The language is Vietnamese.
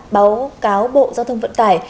báo cáo bộ giao thông vận tải